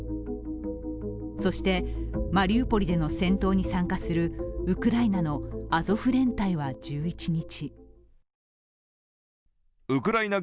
そして、マリウポリでの戦闘に参加するウクライナのアゾフ連隊は１１日。